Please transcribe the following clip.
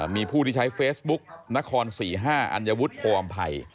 มีผู้ที่ใช้เฟซบุ๊กนคร๔๕อัญวุฒิโพอำภัย